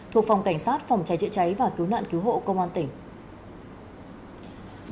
thuộc phòng cảnh sát phòng cháy chữa cháy và cứu nạn cứu hộ công an tỉnh